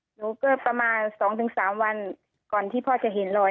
หนูก็ประมาณสองถึงสามวันก่อนที่พ่อจะเห็นรอย